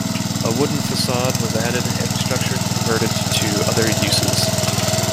A wooden facade was added and the structure converted to other uses.